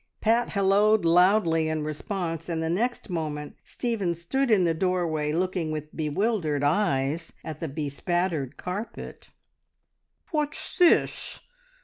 Pat halloed loudly in response, and the next moment Stephen stood in the doorway, looking with bewildered eyes at the bespattered carpet. "What's this?